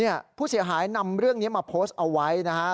ผู้เสียหายนำเรื่องนี้มาโพสต์เอาไว้นะฮะ